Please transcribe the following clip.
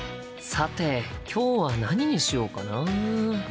さて今日は何にしようかな？